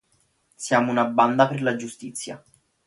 Siamo una banda per la giustizia.